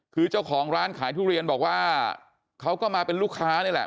คือเจ้าของร้านขายทุเรียนบอกว่าเขาก็มาเป็นลูกค้านี่แหละ